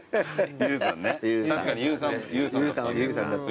確かにＹＯＵさんだった。